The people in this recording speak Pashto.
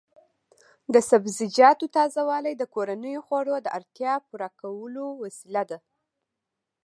د سبزیجاتو تازه والي د کورنیو خوړو د اړتیا پوره کولو وسیله ده.